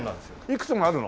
いくつもあるの？